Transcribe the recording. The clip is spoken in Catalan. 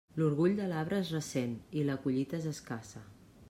L'orgull de l'arbre es ressent i la collita és escassa.